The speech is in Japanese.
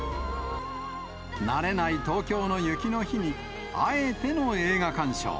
慣れない東京の雪の日に、あえての映画鑑賞。